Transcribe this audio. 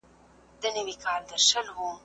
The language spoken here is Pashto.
هیوادونو به نړیوال اصول منلي وي.